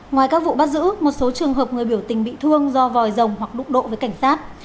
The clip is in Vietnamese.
ngoài các vụ bắt giữ một số trường hợp người biểu tình bị thương do vòi rồng hoặc đục độ với cảnh sát